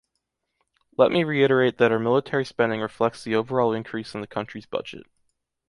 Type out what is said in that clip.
Let me reiterate that our military spending reflects the overall increase in the country's budget.